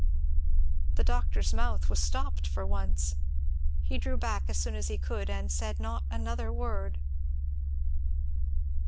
The doctor's mouth was stopped, for once. He drew back as soon as he could and said not another word.